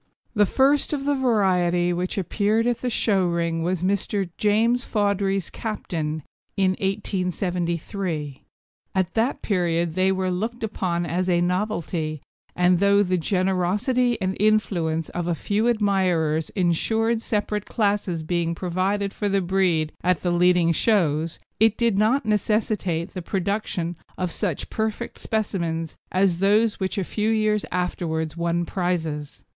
The first of the variety which appeared in the show ring was Mr. James Fawdry's Captain, in 1873. At that period they were looked upon as a novelty, and, though the generosity and influence of a few admirers ensured separate classes being provided for the breed at the leading shows, it did not necessitate the production of such perfect specimens as those which a few years afterwards won prizes.